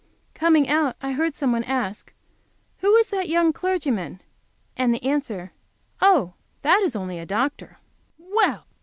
Coming out I heard some one ask, "Who was that young clergyman?" and the answer, "Oh, that is only a doctor!" Well!